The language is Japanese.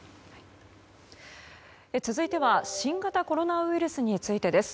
続いては新型コロナウイルスについて。